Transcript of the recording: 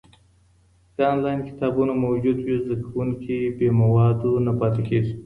که انلاین کتابونه موجود وي، زده کوونکي بې موادو نه پاته کېږي.